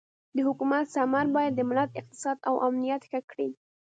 د حکومت ثمر باید د ملت اقتصاد او امنیت ښه کړي.